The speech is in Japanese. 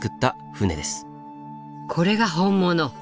これが本物。